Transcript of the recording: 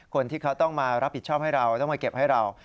คนที่เขาต้องมารับผิดชอบให้เราต้องมาเก็บให้เรา